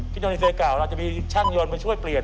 ขึ้นยนต์ดีเซลเก่าอาจจะมีช่างยนต์มาช่วยเปลี่ยน